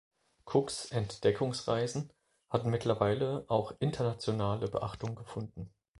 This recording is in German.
Cooks Entdeckungsreisen hatten mittlerweile auch internationale Beachtung gefunden.